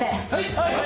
はい！